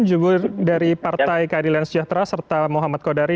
jubur dari partai keadilan sejahtera serta muhammad kodari